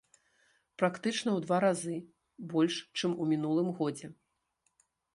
Практычна ў два разы больш, чым у мінулым годзе.